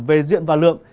về diện và lượng